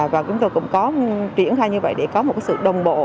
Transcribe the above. và chúng tôi cũng triển khai như vậy để có sự đồng bộ